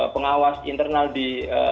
pengawas internal di